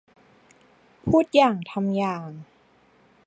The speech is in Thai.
พูดอย่างทำอย่าง